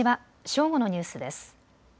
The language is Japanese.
正午のニュースです。